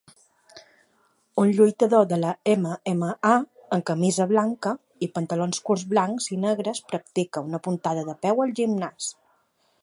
Un lluitador de la MMA en camisa blanca i pantalons curts blancs i negres practica una puntada de peu al gimnàs